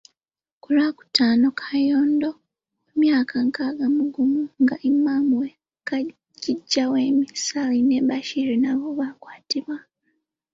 Ku Lwokutaano, Kayondo ow'emyaka enkaaga mu gumu nga Imaam w'e Kijjabwemi, Ssali ne Bashir nabo baakwatibwa.